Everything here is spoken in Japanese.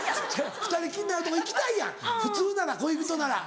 ２人きりになるとこ行きたいやん普通なら恋人なら。